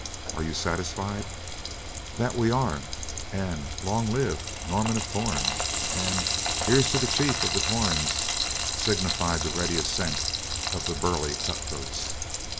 Are you satisfied?" "That we are," and "Long live Norman of Torn," and "Here's to the chief of the Torns" signified the ready assent of the burly cut throats.